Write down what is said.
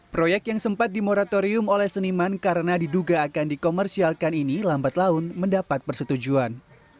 proyek yang sempat dimoratorium oleh seniman karena diduga akan dikomersialkan ini lambat laun mendapat persetujuan